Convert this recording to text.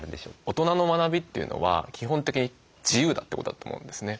大人の学びというのは基本的に自由だってことだと思うんですね。